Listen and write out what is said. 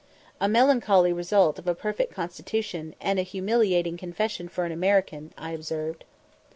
"A melancholy result of a perfect constitution, and a humiliating confession for an American," I observed.